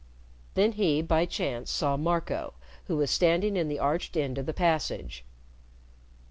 Then he, by chance, saw Marco, who was standing in the arched end of the passage.